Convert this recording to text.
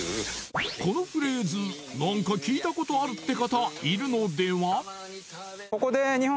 このフレーズ何か聞いたことあるって方いるのでは？